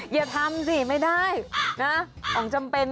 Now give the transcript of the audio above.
อย่าทำสิไม่ได้นะของจำเป็น